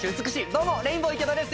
どうもレインボー池田です。